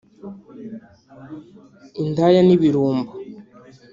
indaya n’ibirumbo